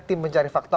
tim mencari fakta